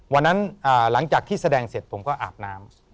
หลังจากที่แสดงเสร็จผมก็อาบน้ำ